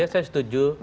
ya saya setuju